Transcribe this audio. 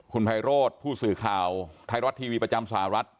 คุณไพโรธผู้สื่อข่าวไทยรัฐทีวีประจำสหรัฐ